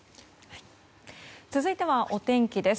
続いてはお天気です。